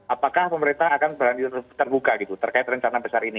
apakah pemerintah akan berani terbuka terkait rencana besar ini